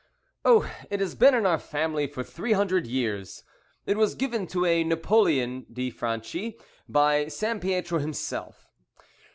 "Oh! it has been in our family for three hundred years. It was given to a Napoleon de Franchi by Sampietro himself."